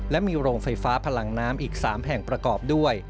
และมีโรงไฟฟ้าพลังน้ำอีก๓แห่งประกอบด้วย